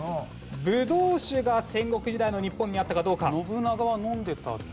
ブドウ酒が戦国時代の日本にあったかどうか？